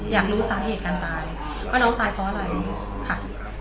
อยากรู้สาเหตุการตายว่าน้องตายเพราะอะไรค่ะ